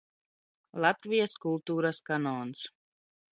Latvijas kult?ras kanons.